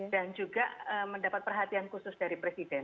juga mendapat perhatian khusus dari presiden